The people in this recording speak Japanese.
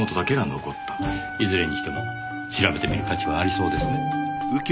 いずれにしても調べてみる価値はありそうですね。